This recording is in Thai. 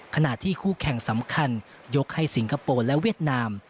ขณะที่คู่แข่งสำคัญยกให้สิงคโปร์และเวียดนาม